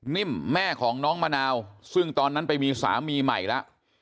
นิ่มแม่ของน้องมะนาวซึ่งตอนนั้นไปมีสามีใหม่แล้ว